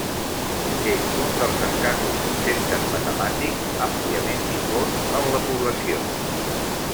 És un dels escassos conceptes matemàtics àmpliament difós en la població.